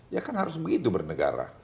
ya kan harus begitu bernegara